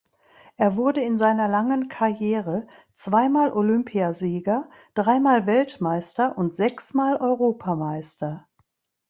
Er wurde in seiner langen Karriere zweimal Olympiasieger, dreimal Weltmeister und sechsmal Europameister.